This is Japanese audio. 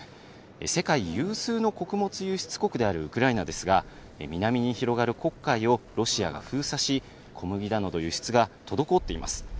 世界有数の穀物輸出国であるウクライナですが、南に広がる黒海をロシアが封鎖し、小麦などの輸出が滞っています。